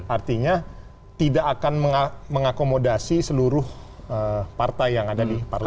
artinya tidak akan mengakomodasi seluruh partai yang ada di parlemen